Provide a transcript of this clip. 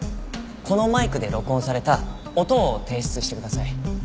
このマイクで録音された音を提出してください。